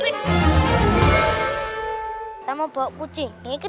kita mau bawa kucing nih ke dokter